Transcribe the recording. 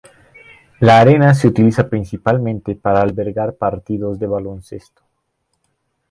La arena se utiliza principalmente para albergar partidos de baloncesto.